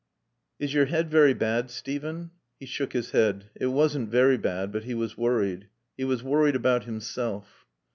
"Is your head very bad, Steven?" He shook his head. It wasn't very bad, but he was worried. He was worried about himself.